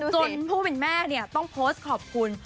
จนผู้เป็นแม่ต้องโพสต์ขอบคุณ